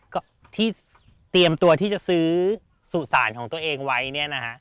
ก็ที่เตรียมตัวที่จะซื้อสู่สารของตัวเองไว้เนี่ยนะฮะ